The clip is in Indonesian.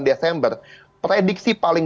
desember prediksi paling